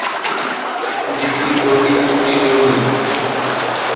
جِتی گوݙی اُتی ݙوݙی